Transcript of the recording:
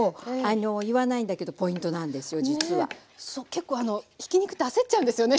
結構ひき肉って焦っちゃうんですよね